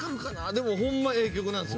でもホンマええ曲なんすよね。